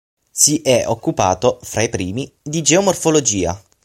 Si è occupato, fra i primi, di geomorfologia.